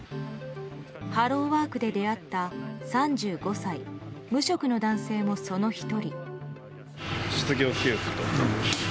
ハローワークで出会った３５歳、無職の男性もその１人。